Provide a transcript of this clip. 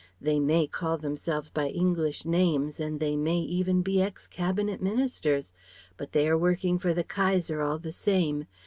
They may call themselves by English names, they may even be ex cabinet ministers; but they are working for the Kaiser, all the same.